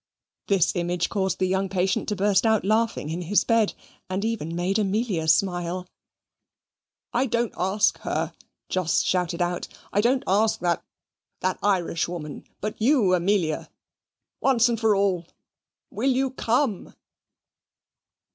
This image caused the young patient to burst out laughing in his bed, and even made Amelia smile. "I don't ask her," Jos shouted out "I don't ask that that Irishwoman, but you Amelia; once for all, will you come?"